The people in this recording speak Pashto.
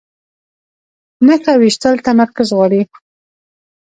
نښه ویشتل تمرکز غواړي